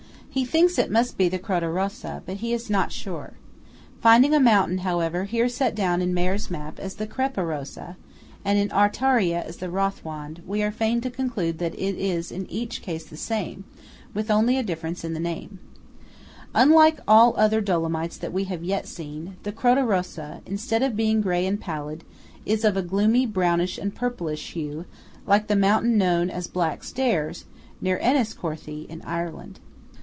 He thinks it must be the Croda Rossa, but he is not sure. Finding a mountain, however, here set down in Mayr's map as the Crepa Rossa, and in Artaria as the Rothwand, we are fain to conclude that it is in each case the same, with only a difference in the name. MONTE CRISTALLO AND PIC POPENA. Unlike all other Dolomites that we have yet seen, the Croda Rossa, instead of being grey and pallid, is of a gloomy brownish and purplish hue, like the mountain known as "Black Stairs," near Enniscorthy, in Ireland.